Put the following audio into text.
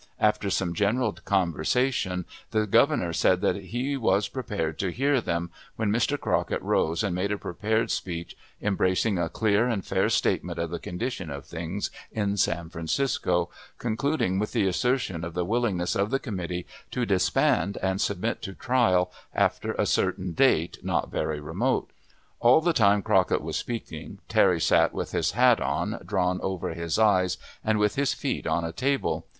After some general conversation, the Governor said he was prepared to hear them, when Mr. Crockett rose and made a prepared speech embracing a clear and fair statement of the condition of things in San Francisco, concluding with the assertion of the willingness of the committee to disband and submit to trial after a certain date not very remote. All the time Crockett was speaking, Terry sat with his hat on, drawn over his eyes, and with his feet on a table.